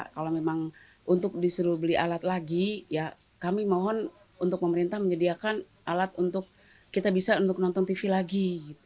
kalau memang untuk disuruh beli alat lagi ya kami mohon untuk pemerintah menyediakan alat untuk kita bisa untuk nonton tv lagi